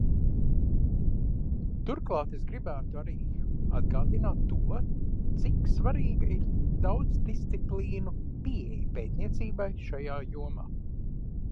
Turklāt es gribētu arī atgādināt to, cik svarīga ir daudzdisciplīnu pieeja pētniecībai šajā jomā.